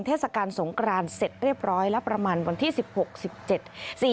เทศกรรย์สงครานเสร็จเรียบร้อยแล้วประมาณวันที่๑๖๑๗